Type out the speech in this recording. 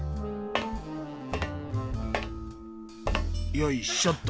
よいしょっと。